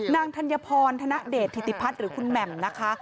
ธัญพรธนเดชธิติพัฒน์หรือคุณแหม่มนะคะ